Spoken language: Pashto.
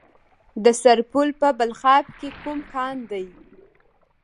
د سرپل په بلخاب کې کوم کان دی؟